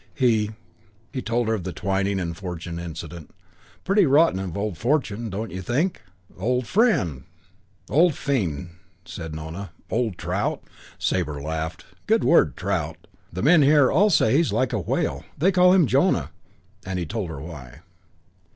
He " He told her of the Twyning and Fortune incident. "Pretty rotten of old Fortune, don't you think?" "Old fiend!" said Nona. "Old trout!" Sabre laughed. "Good word, trout. The men here all say he's like a whale. They call him Jonah," and he told her why.